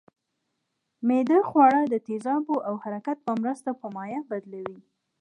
معده خواړه د تیزابو او حرکت په مرسته په مایع بدلوي